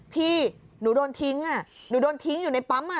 พี่หนูโดนทิ้งหนูโดนทิ้งอยู่ในปั๊ม